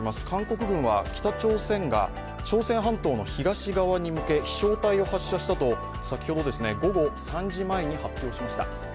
韓国軍は北朝鮮が朝鮮半島の東側に向け、飛翔体を発射したと先ほど午後３時前に発表しました。